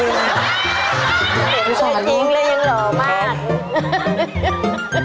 ดูความรู้ได้ยินเหรอมาก